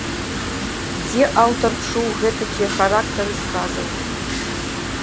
Дзе аўтар чуў гэтакія характары сказаў?